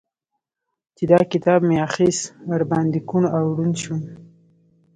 چې دا کتاب مې اخيست؛ ور باندې کوڼ او ړونډ شوم.